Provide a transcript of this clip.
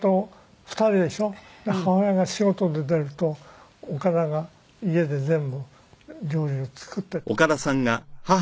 母親が仕事で出ると岡田が家で全部料理を作ってたそうですから。